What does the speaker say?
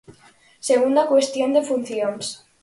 Segunda cuestión, de funcións.